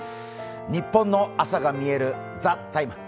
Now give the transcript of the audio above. ニッポンの朝がみえる「ＴＨＥＴＩＭＥ，」